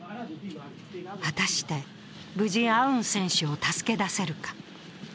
果たして無事、アウン選手を助け出せるか。